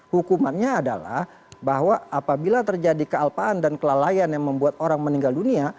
hukumannya adalah bahwa apabila terjadi kealpaan dan kelalaian yang membuat orang meninggal dunia